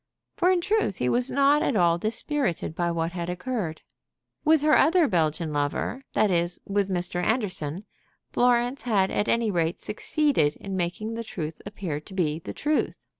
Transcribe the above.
For, in truth, he was not at all dispirited by what had occurred. With her other Belgian lover, that is, with Mr. Anderson, Florence had at any rate succeeded in making the truth appear to be the truth.